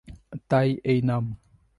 তাই এই নাম।